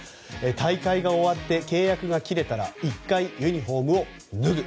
大会が終わって契約が切れたら１回ユニホームを脱ぐ。